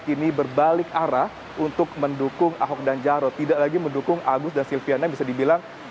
ini berbalik arah untuk mendukung ahok dan jarod tidak lagi mendukung agus dan silviana bisa dibilang